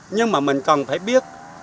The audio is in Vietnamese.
nhưng mà mình cần phải biết